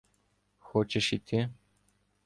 — Хочеш іти?